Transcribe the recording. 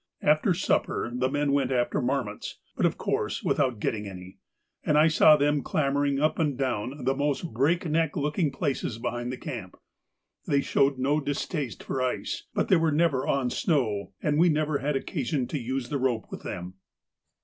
After supper the men went after marmots, but of course without getting any, and I saw them clambering up and down the most break neck looking places behind the camp. They showed no distaste for ice, but they were never on snow, and we never had occasion to use the rope with them.